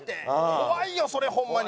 怖いよそれホンマに。